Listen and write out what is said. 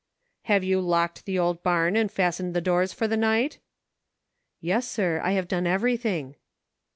" Have you locked the old barn and fastened the bars for the night ?" "Yes, sir; I have done everything."